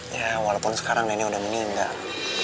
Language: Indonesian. ya walaupun sekarang nenek udah meninggal